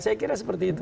saya kira seperti itu